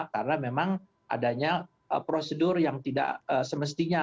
karena memang adanya prosedur yang tidak semestinya